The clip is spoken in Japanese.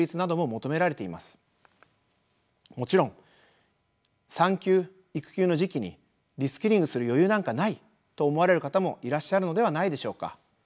もちろん産休・育休の時期にリスキリングする余裕なんかないと思われる方もいらっしゃるのではないでしょうか。